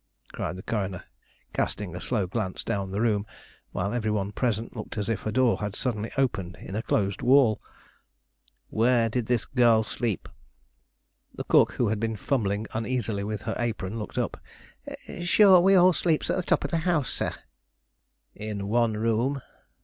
"Humph!" cried the coroner, casting a slow glance down the room, while every one present looked as if a door had suddenly opened in a closed wall. "Where did this girl sleep?" The cook, who had been fumbling uneasily with her apron, looked up. "Shure, we all sleeps at the top of the house, sir." "In one room?"